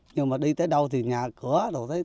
nhưng mà đi tới đâu thì nhà cửa